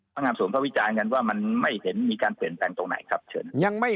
พระงามสวมพระวิจารณ์กันว่ามันไม่เห็นมีการเปลี่ยนแปลงตรงไหนครับ